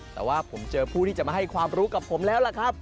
แต่ว่าผมเจอผู้ที่จะมาให้ความรู้กับผมแล้วล่ะครับ